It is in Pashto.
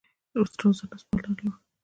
روزنه سپارلې وه.